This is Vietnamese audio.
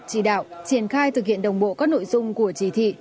chỉ đạo triển khai thực hiện đồng bộ các nội dung của chỉ thị